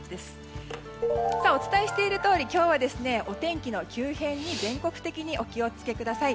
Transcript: お伝えしているとおり今日はお天気の急変に全国的にお気を付けください。